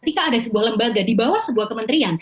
ketika ada sebuah lembaga di bawah sebuah kementerian